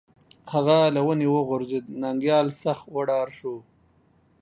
هغه له ونې وغورځېد، ننگيال سخت وډار شو